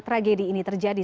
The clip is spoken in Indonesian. tragedi ini terjadi